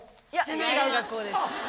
違う学校です。